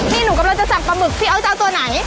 นี่หนูกับเราจะสั่งปลาหมึกพี่เอ้าจะเอาตัวไหน